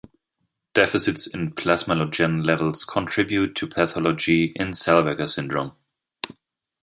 Deficits in plasmalogen levels contribute to pathology in Zellweger syndrome.